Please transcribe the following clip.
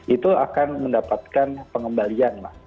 itu akan mendapatkan pengembalian lah